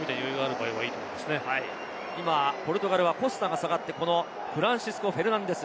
今ポルトガルはコスタが下がってフランシスコ・フェルナンデス。